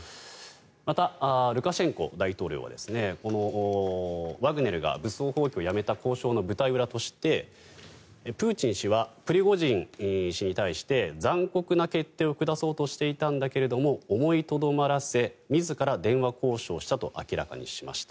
また、ルカシェンコ大統領はこのワグネルが武装蜂起をやめた交渉の舞台裏としてプーチン氏はプリゴジン氏に対して残酷な決定を下そうとしていたんだけども思いとどまらせ自ら電話交渉したと明らかにしました。